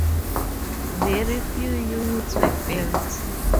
Very few units were built.